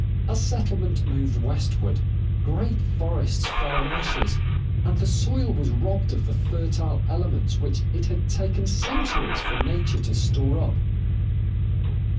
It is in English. As settlement moved westward, great forests fell in ashes, and the soil was robbed of the fertile elements which it had taken centuries for nature to store up.